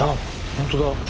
本当だ！